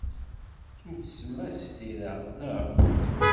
Tulsem-as tira, naɣ?